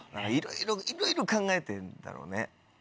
いろいろいろいろ考えてんだろうね。